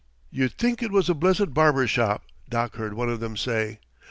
You'd think it was a blessed barber's shop," Doc heard one of them say.